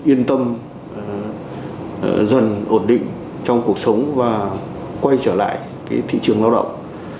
yên tâm dần ổn định trong cuộc sống và quay trở lại thị trường lao động